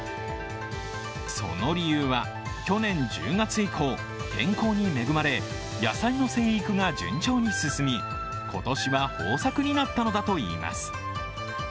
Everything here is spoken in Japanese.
その理由は、去年１０月以降、天候に恵まれ野菜の生育が順調に進み、今年は豊作になったのだといいます。